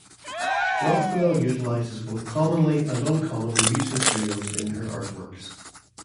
Rothwell utilises both commonly and uncommonly used materials in her artworks.